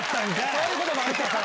そういうこともあるのか。